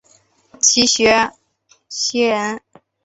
齐学裘人。